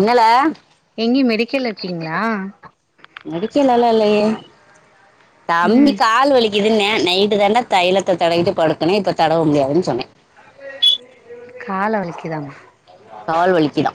என்னள எங்கயு மெடிக்கல்ல இருக்கீங்களா மெடிக்கலலா இல்லயே தம்பி ம் கால் வலிக்குதுனீயா நை இது தான்டா தைலத்த தடவிட்டு படுக்கணு இப்ப தடவ முடியாதுனு சொன்னே கால வலிக்குதாமா கால் வலிக்குதா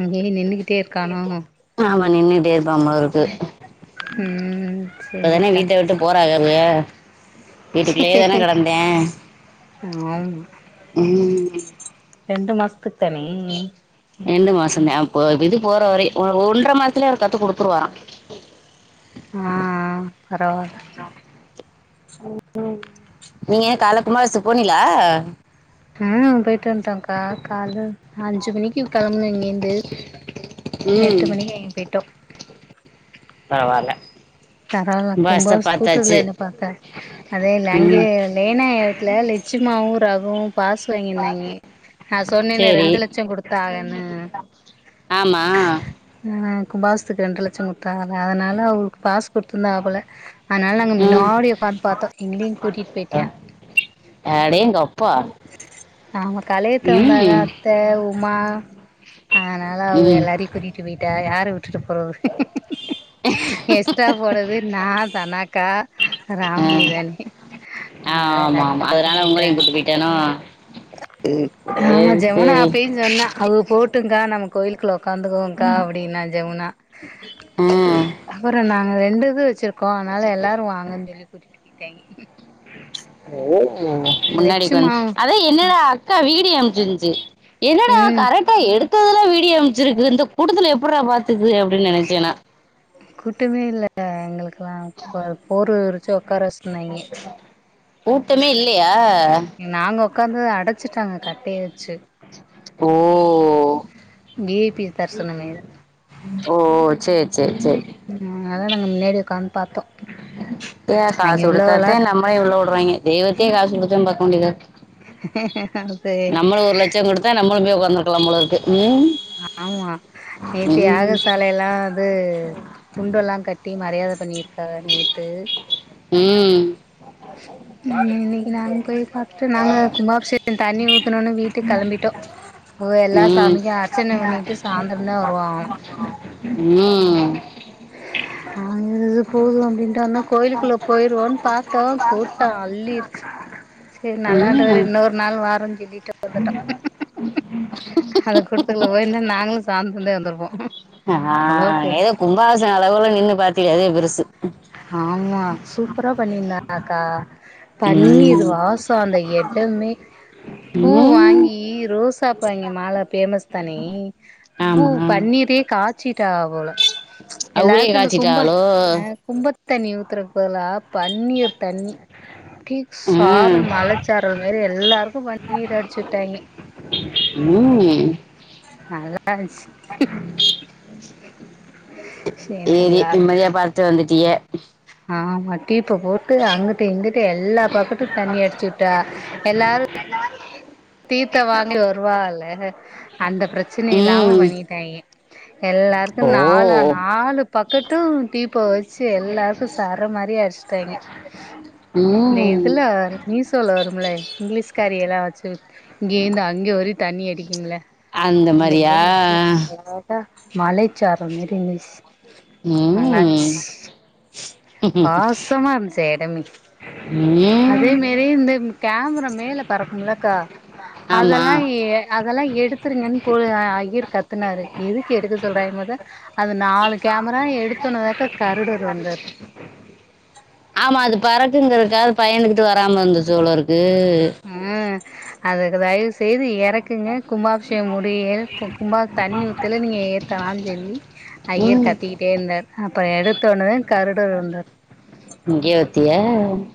அங்கயே நின்னுக்கிட் ஆமா நின்னுட்டே இருப்பா போலர்க்கு ம் சேரிக்கா போறாகல்ல வீட்டுக்குள்ளேயே தான கெடந்தே ஆம் ரெண்டு மாசுக்கு தானே ரெண்டு மாசே தே அப்போ இது போற வரை ஒ ஒன்ற மாசத்துலயே அவரு கத்து குடுத்துருவாரா ஆ பரவால்ல ம் ம் நீங்க ஏ கால கும்மாபிசதுக்கு போனிங்லா ஆ போயிட்டு வந்ட்டோ கா கால்ல அஞ்சு மணிக்கு கெளம்புனோ இங்கேந்து எட்டு ம் மணிக்கு அங்கே பேயிட்டோ பரவால்ல தரவா கும்பாபிஷேகத்த பார்த்தாச்சு கும்பாஸ்கூட்டடுதுல நின்னு பாத்த அதே ல ம் அங்கேயே லேனா வீத்துல லட்சுமாவு ரகுவு பாஸ் வாங்கிருந்தாய்ங்கே நா சொன்னேன்னு சரி ரெண்டு லட்சோ குடுத்தாகன்னு ஆமா ஆ வே கும்பாசுசத்துக்கு ரெண்டு லட்சோ குடுத்தா அதா அதனால அவுகளுக்கு பாஸ் குடுத்துருந்தாங்க போல அதுனால நாங்க முன்னாடி ம் உட்காந்து பாத்தோ எங்களையு கூட்டிட்டு போயிட்யா அடேங்கப் பா ஆமா கலையத்த வந்தாக அத்த உமா அதனால அவுக ம் எல்லாரயு கூட்டிட்டு போயிட்டாக யார விட்டுட்டு போறது எஷ்டா போறது நா தனாக்கா ராகுணி தானே ஆ அதனால ஆமா எல்லாரையு ஆமா கூட்டிட்டு அதனால போயிட்டா உங்களையு கூட்டு போயிட்டானோ ஆமா சரி ஜமுனா சரி அப்பயு சொன்னா அவுக போட்டுங்கா நம்ம கோயிலுக்குள்ள ஒக்காந்துக்குவோங்க்கா அப்டின்னா ஜமுனா ஆ அப்பறோ நாங்க ரெண்டு இது வச்சிருக்கோ அனால எல்லாரு வாங்கன்னு சொல்லி கூட்டிட்டு போயிட்டாய்ங்க எதனா னானா முன்னாடி லட்சுமா உட்காந்து அதா என்னோட அக்கா வீடியோ அனுப்ச்சிருந்துச்சு என்னடா ம் கரெக்ட் ஹேய் எடுத்ததுல்லா வீடியோ அம்சிருக்குது இந்த கூட்டத்துல எப்புட்ரா பாத்துச்சு அப்டின்னு நெனச்சே நா கூட்டமே இல்ல எங்களுக்கெல்லா ஒரு போர்வ விரிச்சு உக்கார வச்சிருந்தாய்ங்கே கூட்டமே இல்லையா நாங்க உக்காந்தத அடச்சிட்டாங்க கட்டய வச்சு ஓ வி ஐ பி தரிசனமே ஓ சேரி சேரி சேரி ம் அதா நாங்க முன்னேடியே ஒக்காந்து பாத்தோ தேவ அங்க உள்ளவல்லா காசுடுத்தாத்தே நம்மளேயு உள்ள வுடுறாய்ங்க தெய்வத்தேயே காசு குடுத்துதா பாக்கவேண்டியதாருக்கு அ சேரி ச்சம் கொடுத்தா நம்மளும் போய் உக்காந்துருக்கலாம் போலருக்கு ம் ஆமா நேத்து ம் யாகசால எல்லா இதூ துண்டெல்லா கட்டி மரியாத பண்ணியிருக்காக நேத்து உம் உம் இன்னக்கி நாங் போய் பாத்துட்டு நாங்களு கும்பாபிஷேம் தண்ணி ஊத்துணோனே வீட்டுக் கெளம்பிட்டோ அவுக எல்லா சாமிக்கு அர்ச்சன பண்ணிட்டு சாந்தரொ ந்தா வருவாங்களா உம் அங்க இது போதும் அப்டின்ட்டு வந்தா கோயிலுக்குள்ள போயிருவோன்னு பாத்தோ கூட்டோ அள்ளீர்ச்சி சரி ம் ம் நல்லாண்டவரெ இன்னொரு நாள் வாறொன்னு சொல்லிட்டு வந்துட்டோ அத கூட்டத்துக்குள்ள போய்ந்தா நாங்களு சாந்ரந்த வந்தருப்போ ஆ ஏதோ கும்பாவச அளவொல நின்னு பாத்திலெ அதே பெருசு ஆமா சூப்பரா பண்ணியிருந்தாங்க க்கா பன்னீர் ம் வாசொ அந்த எடமே பூ ம் வாங்கி ரோசாப்பு வாங்கி மால பேமஸ் தானே பூ ஆமா பன்னீரே காச்சிட்டாக போல அவ்வே எல்லாருக்கு இந்த காச்சி கும்ப அ கும்ப தண்ணி ஊத்துற போதலா பன்னீர் தண்ணி அப்டியே ம் சாரல் மழச்சாரல் மாரி எல்லாருக்கு பன்னீர் அடிச்சு விட்டாங்க ம் நல்லாருஞ்சி சேரி தேரி எல்லாரு நிம்மதியா பாத்து வந்துட்டீய ஆமா டீப்ப போட்டு அங்குட்டு இங்குட்டு எல்லா பக்கட்டும் தண்ணி அடிச்சு விட்டா எல்லாரும் தீர்த்த வாங்கி வருவாகல அந்த பிரச்சன இல்லாம ம் பண்ணிட்டாங்கெ எல்லார்க்கு ஓ நாலு அண் நாலு பக்கட்டும் டீப்ப வச்சு எல்லாருக்கு சர மாரியா அடிச்சுட்டாங்க இந்த ம் இதுல மீசோல்ல வரும்மல்ல இங்கிலீஷ் காரியெல்லா வச்சு இங்கேருந்து அங்கே வரையும் தண்ணி அடிக்கும்மில்ல அந்த மாரியா ப்ப மலைச்சாரல் மாறி இருதுச் நல்லாச் ம் வாசமா இருந்ச்சு எடமே அதே ம் மேரி இந்த கேமரா மேல பறக்கும்மில்லக்கா ஆமா அதெல்லா ஏ அதெல்லா எடுத்துருங்கன்னு போ ஐயர் கத்துனாரு எதுக்கு எடுக்க சொல்றாங்கனு பாத்தா அது நாலு கேமரா எடுத்தொன்னெ தாக்க கருடர் வந்தாரு ஆமா அது பறக்குங்குறதுக்காக பயந்து கிட்டு வராம இருந்துச்சு போலருக்கு உம் அதுக்கு தயவுசெய்து எறக் குங்க கும்பாபிஷேக முடிய கும்பா தண்ணி ஊத்தல நீங்க ஏத்தலானு சொல்லி ஐயர் ம் கத்திக்கிட்டே இருந்தாரு அப்பறொ எடுத்தோன்னத கருடர் வந்தார் ங்யவத்யா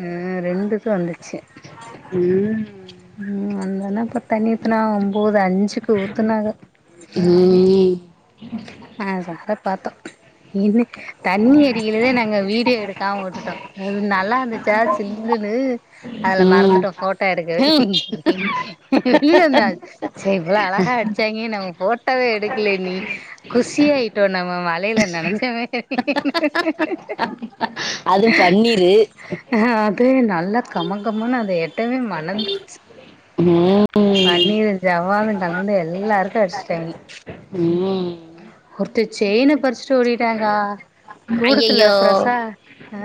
ம் ரெண்டுது வந்துச்சு ஆஅ ம் வந்தொன்னே இப்ப தண்ணி ஊத்துனாக ஒம்போதஞ்சுக்கு ஊத்துனாக ம்ம் ஆ சார பாத்தோ இது தண்ணி அடிக்கயிலதா நாங்க வீடியோ எடுக்காம வுட்டுட்டோ அது நல்லா இந்துச்சா சில்லுன்னு அதுல ம் மறந்துட்டோ போட்டோ எடுக்கவே ம். இல்லந்த சே இவ்ளோ அழகா அடிச்சாய்ங்க நம்ம போட்டவே எடுக்கல நீ குஷியாயிட்டோ நம்ம மலையில நினஞ்சமே அதும் பண்ணிரு ஆ அதே நல்லா கமங்கமன்னு அதை எட்டவே மணந்துருச்சு ம் பன்னீரு ஜவ்வாது கலந்து எல்லாருக்கு அடிச்ட்டாய்ங்க ம் ஒருத்தே செயின பறிச்ட்டு ஓடிட்டாங்கா கூட்டதுல ஐயையோ பிரசா ஆ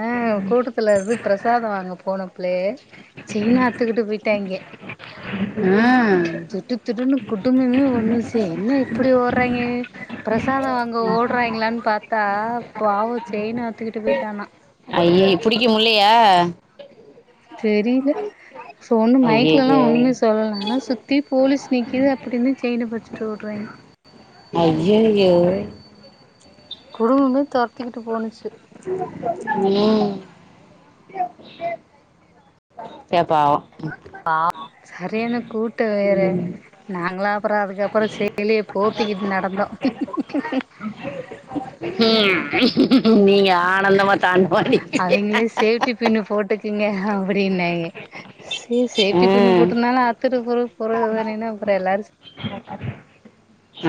கூட்டத்தில்ருந்து பிரசாத வாங்க போன புள்ளய செயின அர்த்துக்கிட்டு போயிட்டாய்ங்க ம் திடு திடுன்னு குடும்பமே ஒண்ணுச்சு என்ன இப்படி ஓடுறாய்ங்க பிரசாதோ வாங்க ஓடுறாங்களான்னு பார்த்தா பாவம் செயின அத்துக்கிட்டு போய்டிட்டானா அய்ய புடிக்க முல்லையா தெரில ஒண்ணு மைக்லெல்லா ஐயையோ ஒண்ணுமே சொல்லல ஆனா சுத்தி போலீஸ் நிக்கி இது அப்படின்னு செயின பறிச்சுட்டு ஓடுறாய்ங்க ஐய்யயோ குடும்பமே துரத்திக்கிட்டு போணுச்சு ம் பாவம் சரியான கூட்டோ வேற நாங்களா அப்புறோ அதுக்கப்புற சேலியே போற்றிக்கிட்டு நடந்தோ ம் நீங்க ஆனந்தமா தாண்ட்ன மாரி அவங்களே சேஃப்டி பின் போட்டுக்குங்க அப்படின்னாங்க சே சேஃப்டி பின்னு ம் போட்டிருந்தாலு அத்துட்டு போரது போரதுதான ஏனா அப்புறோ எல்லாரு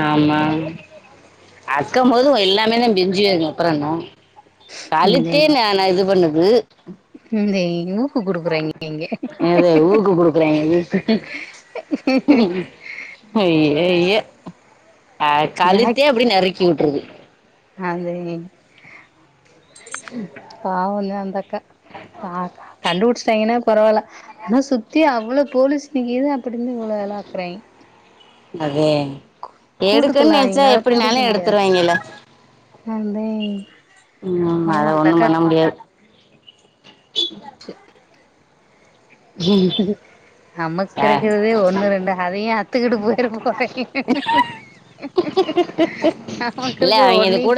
ஆமா அக்கம்போது எல்லாமேதே பிஞ்சிபோய்ரு அப்பறென்ன களித்தே நா இது பண்ணுது ம் தேயு எது ஊக்கு குடுக்குறேங்க ஐய்யய்யோ கழுத்தே அப்படி நறுக்கி வுட்டுருது அதே பாவோ தா அந்தக்கா பா கண்டுபுடிஸ்ட்டாய்ங்கன்னா பரவாயில்ல ஆனா சுத்தி அவ்வளோ போலீஸ் நிக்கிது அப்டிந்து இவ்ளோ வேளா பாக்குறாய்ங்க அதே எடுக்குன்னு கூட்டத்துல நெனச்சா அவிங்களால எப்படினாலு புடிக்க முடியாது எடுத்துருவைங்கல்ல அந்த ம் ஆமா பாவோ அத அந்த ஒண்ணு பண்ண அக்கா முடியாது ச ம் நம்மக்கு கிடைக்கறதே ஒண்ணு ரெண்டு அதையு அத்துக்கிட்டு போயிரு போறே நமக்கிருக்கற ஒன்னயு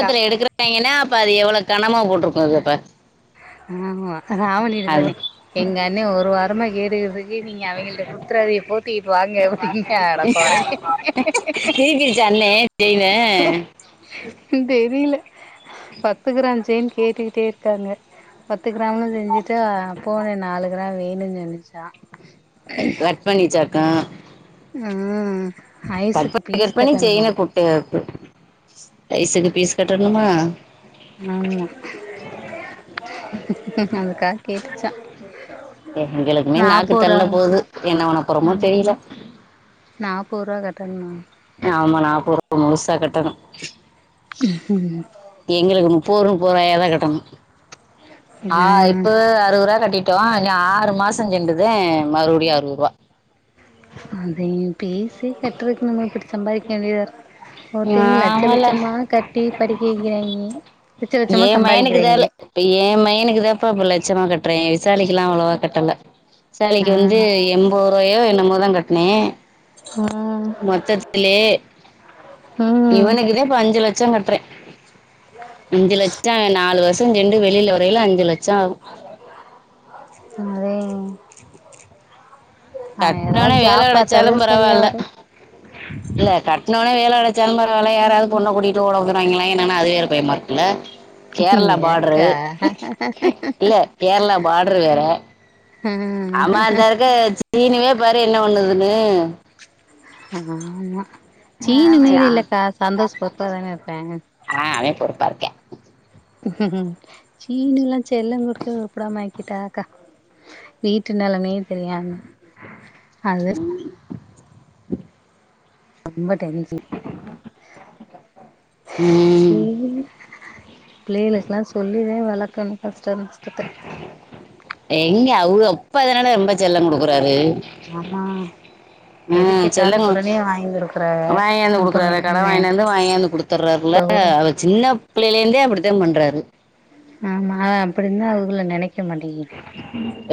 ங்கன்னா அப்ப அது எவ்ளோ கணமா போட்டிருக்கோது அப்ப ஆமா ஆமா எ அண்ட்ட அது சொன்னே எங்க அண்ண ஒரு வாரமா கேட்டுக்கிட்றுக்கு நீங்க அவிங்கள்ட்ட குடுத்துறாதைய போத்து ட்டி இப்ப வாங்க அப்டின்னாங்க அட கொரங்கே திருப்பிருச்சு அண்ணே செயினு இந்த இதுல பத்து க்ராம் சேன் கேட்டுக்கிட்டே இருக்காங்க பத்து க்ராம்ல செஞ்சுட்டா போன நாலு க்ராம் வேணும்னு சொல்லுச்சா பண்ணிட்டக்கா ம் ஐஸுக்கு பீஸ் கட்டணுமா எப்புட் ஐஸுக்கு பீஸ் கட்டணுமா ஆமா அதுக்காக கேட்டுச்சா எங்களுக்குமே நாக்கு தள்ள நாப்போரா போகுது என்ன பண்ண போறோமோ தெரில நாப்பரூபா கட்டணுமாமே ஆமா நாப்ருவா முழுசா கட்டணும் எங்களுக்கு முப்பது முப்பது ரூபாய தா கட்டணும் ஆ இப்போ அறுபது ரூவா கட்டிட் டோம் இன்னு ஆறு மாசம் சென்றுதே மறுபடி அறுவத்ரூபா அதயும் பேசி கெட்றதுக்கு நம்ம இப்டி சம்பாதிக்க வேண்டியதா ஒருத்தங்க லட்ச ஆமால லட்சமான கட்டி படிக்க வெக்கிறாய்ங்க லட்ச லட்சமா என் மயனுக்கு தான் சம்பாறிக்கறாய்ங்க இப்ப எ மையனுக்கு தாப்பா இப்ப லட்சமா கட்டுறே விசாலிக்கல்லாம் அவ்ளவா கட்டல ஆ விசாலிக்கு வந்து எம்பது ரூபாயோ என்னமோதா கட்னே ம் மொத்தத்திலே ம் ம் இவனுக்குதா இப்ப அஞ்சு லட்சம் கட்றே அஞ்சு லட்சம் நாலு வருஷம் செண்டு வெளில வரயில அஞ்சு லட்சம் ஆகு அதேன் அவ கட்டினோடனே ஏதாவது வேலை ஜாப் பாத்தாதா கிடைச்சாலும் சரியா பரவாயில்ல வரும் இல்ல கட்னோன வேல கெடச்சாலும் பரவால்ல யாராது பொண்ண கூட்டிட்டு ஓட போறாங்களா என்னன்னு அது வேற பயமா இருக்குல்ல கேர்ளா பாட்ரு ஏக்கா இல்ல கேர்ளா பார்டரு வேற அ ஆமா அந்தா இருக்க சீனே பாரு என்ன பண்ணுதுன்னு ஆமா ஆமா சீனு மாறி ஆ இல்லக்கா சந்தோஷ பொறுப்பாதானே இருப்ப ஆ அவே பொறுப்பாருப்பா சீனு எல்லாம் செல்லம் குடுத்து உருப்படாம ஆக்கிட்டாக்கா வீட்டு நெலமயு தெரியாம அது ரொம்ப டென்ஸ் ம் இவங்க பிள்ளேகளுகல்லாம் சொல்லிதே வளக்கணும் கஷ்டம் நஷ்டத்த எங்க அவுக அப்பாதான ரொம்ப செல்லம் குடுக்கறாரு ஆமா எது ம் கேட்டாலு செல்லங்க உடனே வாங்கி குடுக்குறாக வாங்கியாந்து அப்ப குடுக்கறாரு கடன் இன்னொன்னு வாங்கி வந்து வாங்கியாந்து குடு தர்றார்ல இப்ப கூட அவ சின்ன பிள்ளைலந்தே அப்டித்தா பண்றாரு ஆமா அப்டின்தா அவுகளு நெனைக்க மாட்டேங்கறாங்க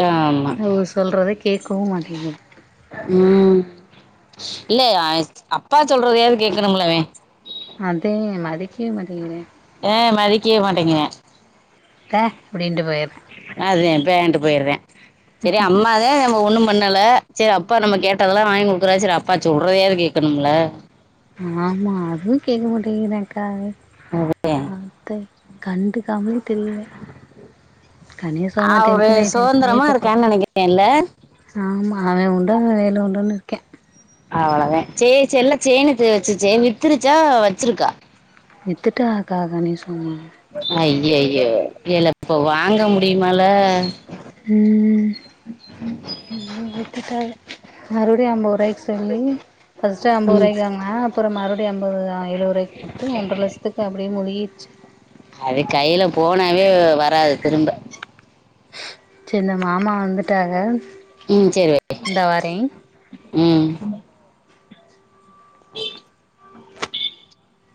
ஆமா அவுக சொல்றத கேக்கவு மாட்டேன்க உம் இல்ல அப்பா சொல்றதயாது கேக்கணும்ல அதே மதிக்வே மாட்டேங்கறா அ மதிக்கே மாட்டேங்கற த அப்டின்ட்டு போய்ரு அதேன் பேண்டு போய்யிடறே சேரி அம்மா த்தே நம்ம ஒண்ணும் பண்ணல செர் அப்பா நம்ம கேட்டதெல்லா வாங்கி குடுக்குறாரு செரி அப்பா சொல்றதையாவது கேக்கணும்ல ஆமா அதுவு கேட்க மாட்டிங்கிறான்க்கா அது அவன் தே கண்டுகாமலே தில்ல கணேசம்மா அவரு டென்ஷனாயி டென்ஷனாயி சுதந்திரமா இப்ப கு இருக்கான்னு நினைக்கிறேன்ல ஆமா அவன் உண்டன் வேலை உண்டுன்னு இருக்கே அவ்வளதே செ செல்ல சேய்ன வச்சிச்சே வித்திரிச்சா வச்சிருக்கா வித்துட்டாக்கா [unintelligible] ஐய்யய்யோ ஏல இப்ப வாங்க முடியுமால ம் வித்துட்டா இவ மறுவடியு அம்பருவாய்கு தெர்லங்க பஸ்ட்டு அம்பது ம் ரூபாய்க்காமா அப்புறம் மறுபடியு அம்பது எழுபதுபாய்க்கு போட்டு ஒன்ரை லட்சதுக்கு வருஷத்துக்கு அப்டியே முழிகிடுச்சு அது கைல போனாவே வராது திரும்ப சேரி நா மாமா வந்துட்டாக ம் சேரி இந்தா வரே வைக்றே ம் [unintelligible] [unintelligible]